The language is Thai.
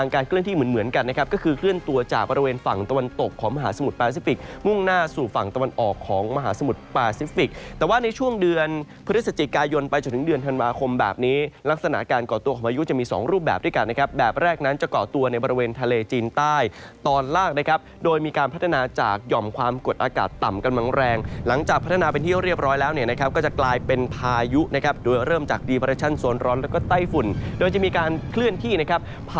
เกาะตัวของพายุจะมีสองรูปแบบด้วยกันนะครับแบบแรกนั้นจะเกาะตัวในบริเวณทะเลจีนใต้ตอนล่างนะครับโดยมีการพัฒนาจากหย่อมความกดอากาศต่ำกำลังแรงหลังจากพัฒนาเป็นที่เรียบร้อยแล้วเนี่ยนะครับก็จะกลายเป็นพายุนะครับโดยเริ่มจากดีประชันสวนร้อนแล้วก็ใต้ฝุ่นโดยจะมีการเคลื่อนที่นะครับผ